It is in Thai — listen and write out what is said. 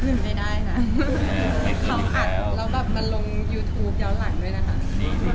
อะไรที่เราให้เรื่องผู้ชายคุณนี้เป็นค่ะ